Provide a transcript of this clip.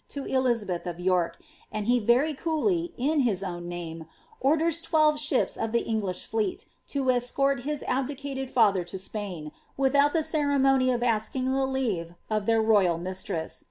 to Elizabeth of York, and he very coolly, in his own name, orders twelve ships of the English fleet to escort his abdicated father to Spain, without the cere mony of asking the leave of their royal mistress.